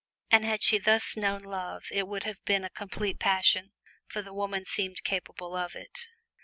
And had she thus known love it would have been a complete passion, for the woman seemed capable of it.